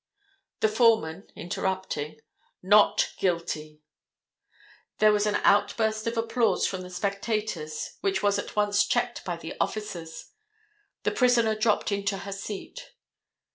The foreman (interrupting)—NOT GUILTY. There was an outburst of applause from the spectators which was at once checked by the officers. The prisoner dropped into her seat.